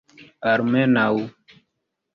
almenaŭ